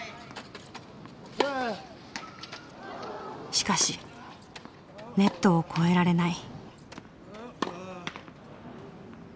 しかしネットを越えられない。